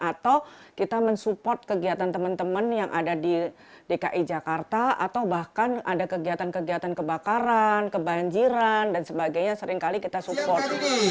atau kita mensupport kegiatan teman teman yang ada di dki jakarta atau bahkan ada kegiatan kegiatan kebakaran kebanjiran dan sebagainya seringkali kita support